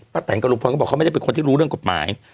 แตนกับลุงพลก็บอกเขาไม่ได้เป็นคนที่รู้เรื่องกฎหมาย